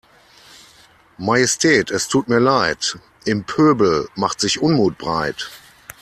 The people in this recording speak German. Majestät es tut mir Leid, im Pöbel macht sich Unmut breit.